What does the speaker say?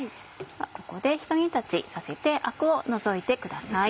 ここでひと煮立ちさせてアクを除いてください。